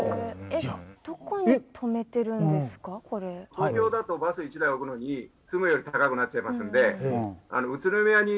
東京だとバス１台置くのに住むより高くなっちゃいますんで宇都宮に駐車場借りてましてですね。